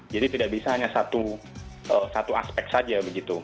jadi tidak bisa hanya satu aspek saja begitu